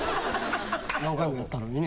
何回もやったのにね。